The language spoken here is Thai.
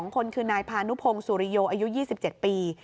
๒คนคือนายพานุพงศุริโยอายุ๒๗ปี